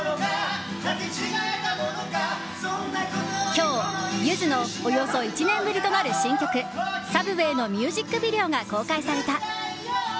今日、ゆずのおよそ１年ぶりとなる新曲「ＳＵＢＷＡＹ」のミュージックビデオが公開された。